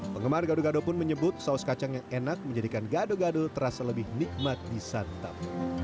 penggemar gaduh gaduh pun menyebut saus kacang yang enak menjadikan gaduh gaduh terasa lebih nikmat di santap